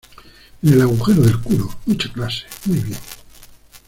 en el agujero del culo. mucha clase, muy bien.